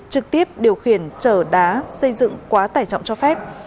trực tiếp điều khiển trở đá xây dựng quá tải trọng cho phép